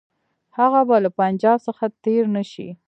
هغه به له پنجاب څخه تېر نه شي.